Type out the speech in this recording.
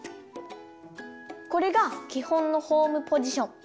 これがきほんのホームポジション。